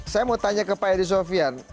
saya mau tanya ke pak edi sofian